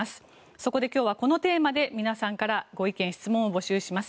そこで今日はこのテーマで皆さんからご意見・質問を募集します。